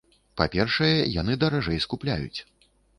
Па-першае, яны даражэй скупляюць.